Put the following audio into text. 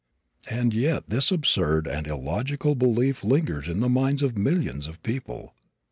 And yet this absurd and illogical belief lingers in the minds of millions of people.